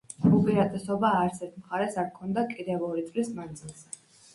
უპირატესობა არცერთ მხარეს არ ჰქონდა კიდევ ორი წლის მანძილზე.